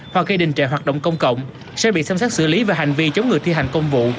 hoặc gây đình trẻ hoạt động công cộng sẽ bị xâm sát xử lý và hành vi chống ngừa thi hành công vụ